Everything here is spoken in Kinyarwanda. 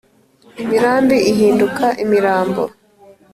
imirambi ihinduka imirambo